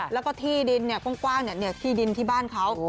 แล้วก็ที่ดินเนี่ยกว้างเนี่ยที่ดินที่บ้านเขา